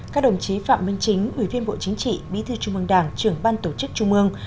các đồng chí phạm minh chính ủy viên bộ chính trị bí thư trung mương đảng trưởng ban tổ chức trung ương